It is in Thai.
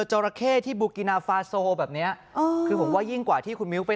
จราเข้ที่บูกินาฟาโซแบบเนี้ยเออคือผมว่ายิ่งกว่าที่คุณมิ้วไป